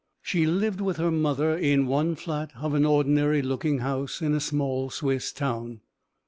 She lived with her mother in one flat of an ordinary looking house in a small Swiss town.